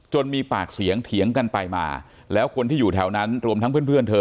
มีปากเสียงเถียงกันไปมาแล้วคนที่อยู่แถวนั้นรวมทั้งเพื่อนเธอ